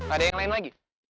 ada yang lain lagi